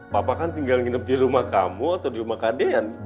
bapak kan tinggal nginep di rumah kamu atau di rumah kadean